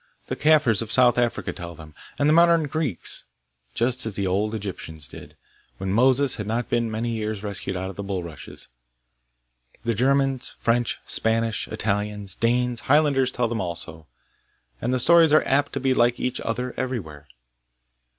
The Kaffirs of South Africa tell them, and the modern Greeks, just as the old Egyptians did, when Moses had not been many years rescued out of the bulrushes. The Germans, French, Spanish, Italians, Danes, Highlanders tell them also, and the stories are apt to be like each other everywhere.